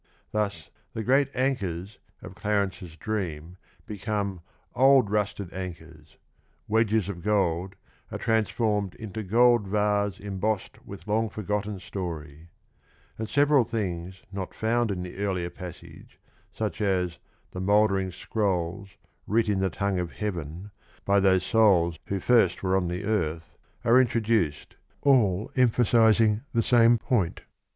Thus the " great anchors " of Clarence's dream become " old rusted anchors ;"" wedges of gold " are transformed into " gold 'vase emboss'd with long forgotten story "; and several things not found in the earlier passage, such as the " mouldering scrolls, writ in the tongue of heaven, by those souls who first were on the earth," are introduced, all emphasizing the same point.